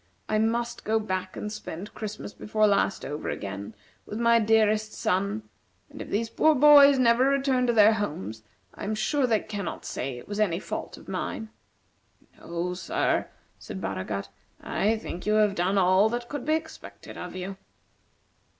I must go back and spend Christmas before last over again, with my dearest son; and if these poor boys never return to their homes, I am sure they cannot say it was any fault of mine." "No, sir," said Baragat, "I think you have done all that could be expected of you."